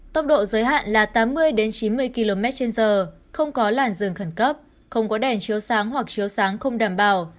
tốc độ giới hạn là tám mươi chín mươi km trên giờ không có làn rừng khẩn cấp không có đèn chiếu sáng hoặc chiếu sáng không đảm bảo